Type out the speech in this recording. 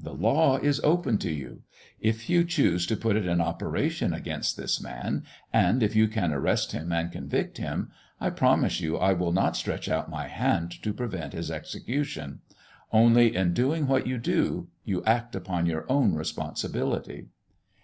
The law is open to you. If you choose to put it in operation against this Man, and if you can arrest Him and convict Him, I promise you I will not stretch out my hand to prevent His execution. Only, in doing what you do, you act upon your own responsibility."